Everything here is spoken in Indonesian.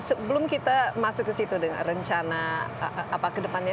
sebelum kita masuk ke situ dengan rencana apa kedepannya